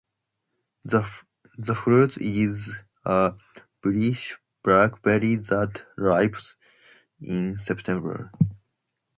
The fruit is a bluish black berry that ripens in September.